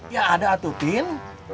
ya ada atuh pin